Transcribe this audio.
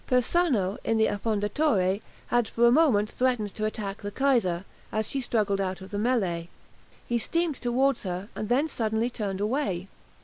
Persano, in the "Affondatore," had for a moment threatened to attack the "Kaiser," as she struggled out of the mêlée. He steamed towards her, and then suddenly turned away.